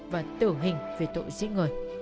và tử hình vì tội giết người